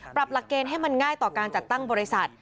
หลักเกณฑ์ให้มันง่ายต่อการจัดตั้งบริษัท